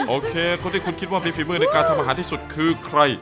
โอเคคนที่คุณคิดว่ามีฝีมือในการทำอาหารที่สุดคือใคร